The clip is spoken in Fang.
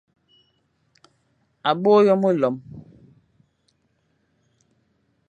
À bôe ôyo melom,